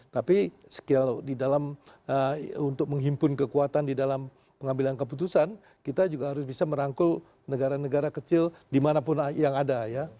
tapi sekian di dalam untuk menghimpun kekuatan di dalam pengambilan keputusan kita juga harus bisa merangkul negara negara kecil dimanapun yang ada ya